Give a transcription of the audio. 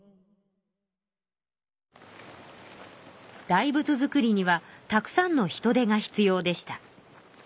大仏造りにはたくさんの人手が必要でした。